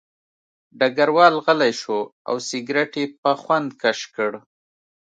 ډګروال غلی شو او سګرټ یې په خوند کش کړ